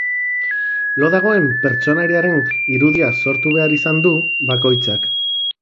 Lo dagoen pertsonaiaren irudia sortu behar izan du bakoitzak.